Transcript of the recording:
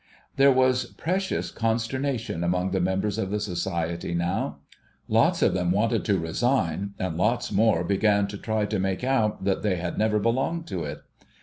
There was precious consternation among the members of the Society, now. Lots of them wanted to resign, and lots more began to try to make out that they had never belonged to it.